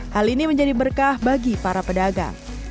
hal ini menjadi berkah bagi para pedagang